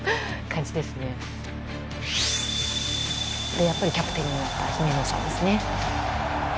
で、やっぱりキャプテンになった姫野さんですね。